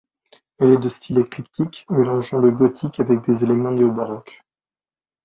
Elle est de style éclectique, mélangeant le gothique avec des éléments néo-baroques.